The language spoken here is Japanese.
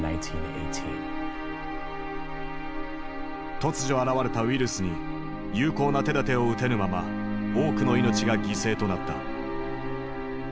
突如現れたウイルスに有効な手だてを打てぬまま多くの命が犠牲となった。